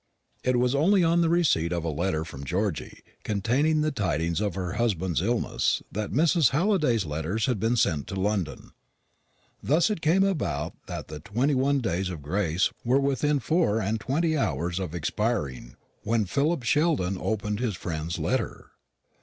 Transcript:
It was only on the receipt of a letter from Georgy, containing the tidings of her husband's illness, that Mr. Halliday's letters had been sent to London. Thus it came about that the twenty one days of grace were within four and twenty hours of expiring when Philip Sheldon opened his friend's letter.